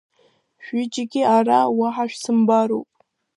Шәҩыџьагьы ара уаҳа шәсымбароуп!